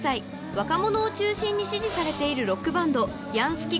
［若者を中心に支持されているロックバンドヤンスキこと］